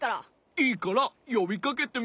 いいからよびかけてみ？